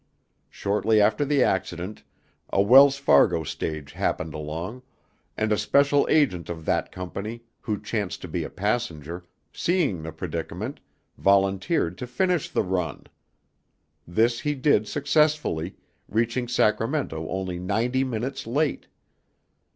Shortly after the accident, a Wells Fargo stage happened along, and a special agent of that Company, who chanced to be a passenger, seeing the predicament, volunteered to finish the run. This he did successfully, reaching Sacramento only ninety minutes late.